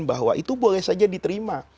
bahwa itu boleh saja diterima